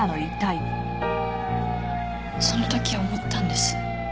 その時思ったんです。